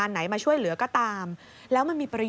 ใช่ค่ะก็ถ้าแม่